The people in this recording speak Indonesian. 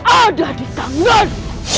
ada di tangan